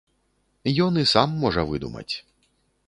Ён і сам можа выдумаць.